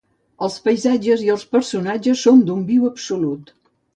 Els paisatges i els personatges són d'un viu absolut.